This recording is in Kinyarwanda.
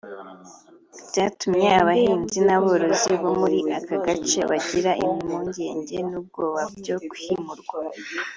byatumye abahinzi n’aborozi bo muri ako gace bagira impungenge n’ubwoba byo kwimurwa